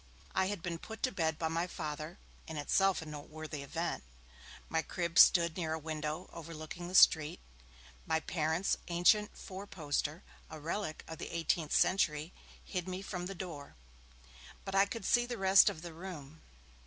I had been put to bed by my Father, in itself a noteworthy event. My crib stood near a window overlooking the street; my parents' ancient four poster, a relic of the eighteenth century, hid me from the door, but I could see the rest of the room.